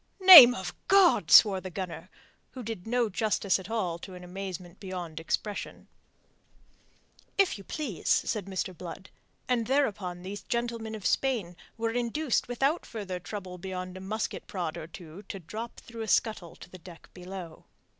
"Name of God!" swore the gunner, which did no justice at all to an amazement beyond expression. "If you please," said Mr. Blood, and thereupon those gentlemen of Spain were induced without further trouble beyond a musket prod or two to drop through a scuttle to the deck below.